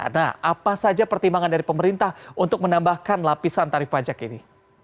nah apa saja pertimbangan dari pemerintah untuk menambahkan lapisan tarif pajak ini